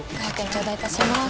頂戴いたします。